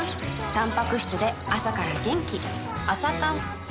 たんぱく質で朝から元気